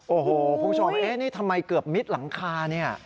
โอ้โหคุณผู้ชมเอ๊ะนี่ทำไมเกือบมิดหลังคาเนี่ย